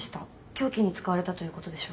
凶器に使われたということでしょう。